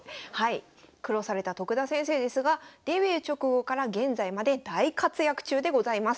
苦労された徳田先生ですがデビュー直後から現在まで大活躍中でございます。